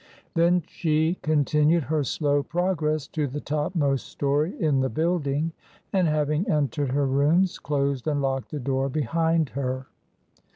Then she continued her slow progress to the top most story in the building, and having entered her rooms, closed and locked the door behind her.